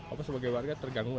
apa sebagai warga terganggu